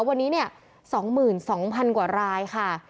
วันนี้๒๒๐๐๐กว่ารายค่ะ